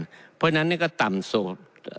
เพราะฉะนั้นก็ต่ำสุด